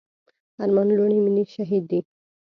ارمان لوڼي ملي شهيد دی.